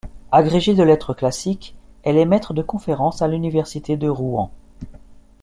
Agrégée de lettres classiques, elle est maître de conférences à l'université de Rouen.